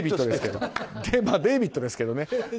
デービッドですけど。